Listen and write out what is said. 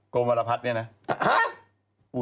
กรมวรพัฒน์เนี่ยนะห๊ะ